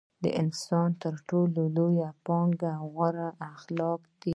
د انسان تر ټولو لويه پانګه غوره اخلاق دي.